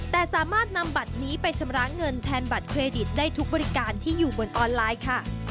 แต่สามารถนำบัตรนี้ไปชำระเงินแทนบัตรเครดิตได้ทุกบริการที่อยู่บนออนไลน์ค่ะ